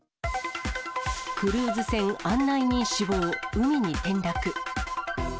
クルーズ船、案内人死亡、海に転落。